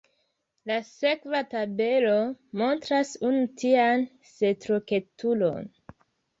La sekva tabelo montras unu tian strukturon.